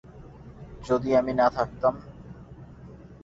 যদি আমি না থাকতাম।